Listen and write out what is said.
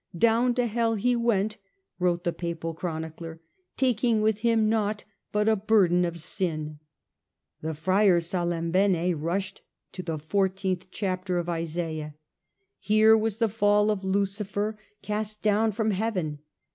" Down to hell he went," wrote the Papal chronicler, " taking with him nought but a burden of sin." The Friar Salimbene rushed to the I4th chapter of Isaiah. Here was the fall of Lucifer, cast down from heaven.